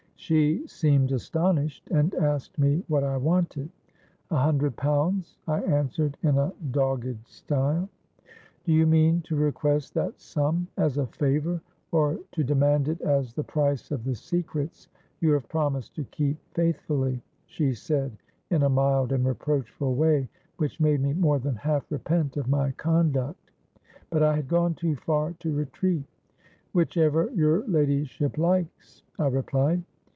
She seemed astonished, and asked me what I wanted. 'A hundred pounds,' I answered in a dogged style.—'Do you mean to request that sum as a favour, or to demand it as the price of the secrets you have promised to keep faithfully?' she said in a mild and reproachful way, which made me more than half repent of my conduct; but I had gone too far to retreat.—'Whichever your ladyship likes,' I replied.